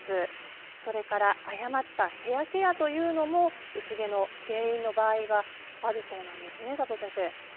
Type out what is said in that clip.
それから誤ったヘアケアというのも薄毛の原因の場合があるそうなんですね。